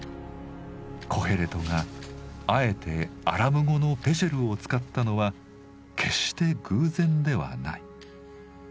コヘレトがあえてアラム語の「ぺシェル」を使ったのは決して偶然ではない。